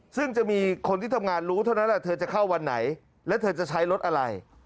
ซึ่งจะมีคนที่ทำงานรู้เท่านั้นแหละเธอจะเข้าวันไหนและเธอจะใช้รถอะไร